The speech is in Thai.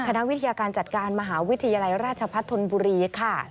คณะวิทยาการจัดการมหาวิทยาลัยราชพัฒนธนบุรีค่ะ